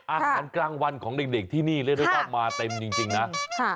อาหารกลางวันของเด็กที่นี่เรียกได้ว่ามาเต็มจริงนะ